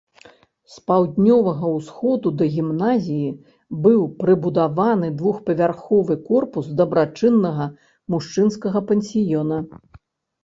З паўднёвага ўсходу да гімназіі быў прыбудаваны двухпавярховы корпус дабрачыннага мужчынскага пансіёна.